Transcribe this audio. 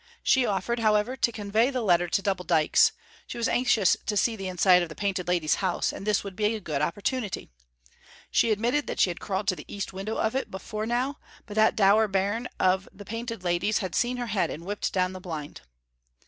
She offered, however, to convey the letter to Double Dykes. She was anxious to see the inside of the Painted Lady's house, and this would be a good opportunity. She admitted that she had crawled to the east window of it before now, but that dour bairn of the Painted Lady's had seen her head and whipped down the blind.